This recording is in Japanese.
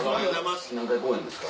何回公演ですか？